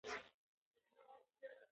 ایا د انارګل مور به د لښتې په قدر پوه شي؟